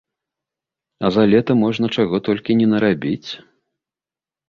А за лета можна чаго толькі не нарабіць!